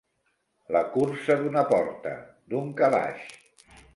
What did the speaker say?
La cursa d'una porta, d'un calaix.